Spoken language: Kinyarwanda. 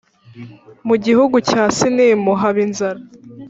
mu gihugu cya Sinimu haba inzara .